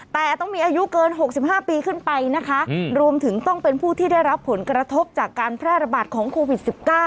แต่ต้องมีอายุเกิน๖๕ปีขึ้นไปนะคะรวมถึงต้องเป็นผู้ที่ได้รับผลกระทบจากการแพร่ระบาดของโควิด๑๙